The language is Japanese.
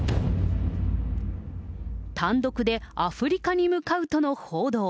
単独でアフリカに向かうとの報道。